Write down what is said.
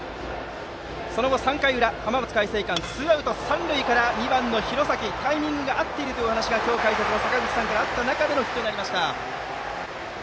その後、３回の裏浜松開誠館ツーアウト三塁から２番の廣崎タイミングが合っているというお話が、今日解説の坂口さんからあった中でのヒットになりました。